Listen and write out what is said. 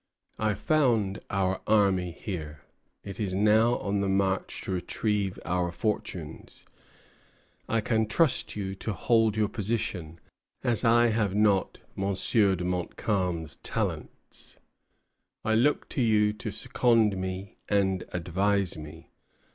I found our army here. It is now on the march to retrieve our fortunes. I can trust you to hold your position; as I have not M. de Montcalm's talents, I look to you to second me and advise me.